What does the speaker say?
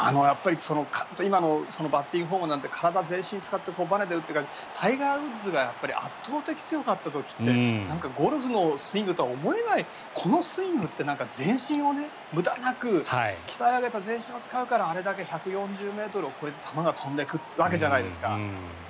今のバッティングフォームなんて体全身を使ってばねで打っているからタイガー・ウッズが圧倒的に強かった時ってゴルフのスイングとは思えないこのスイングって全身をね、無駄なく鍛え上げた全身を使うからあれだけ１４０ｍを超えて球が飛んでいくわけじゃないですか。